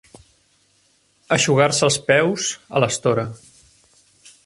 Eixugar-se els peus a l'estora.